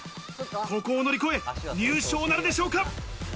ここを乗り越え、入賞なるでしょうか？